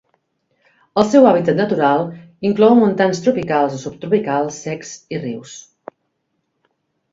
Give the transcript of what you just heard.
El seu hàbitat natural inclou montans tropicals o subtropicals secs i rius.